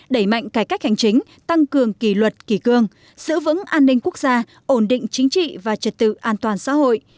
đẩy mạnh cải cách hành chính tăng cường kỷ luật kỳ cương giữ vững an ninh quốc gia ổn định chính trị và trật tự an toàn xã hội